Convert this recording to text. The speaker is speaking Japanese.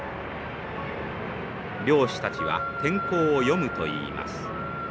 漁師たちは天候を読むといいます。